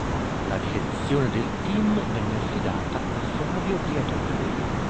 La direzione del team venne affidata a Flavio Briatore.